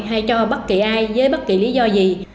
hay cho bất kỳ ai với bất kỳ lý do gì